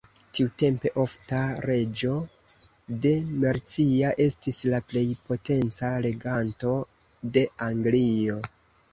Tiutempe Offa, reĝo de Mercia, estis la plej potenca reganto de Anglio.